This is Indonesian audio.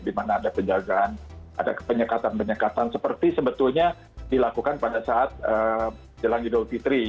di mana ada penjagaan ada penyekatan penyekatan seperti sebetulnya dilakukan pada saat jelang idul fitri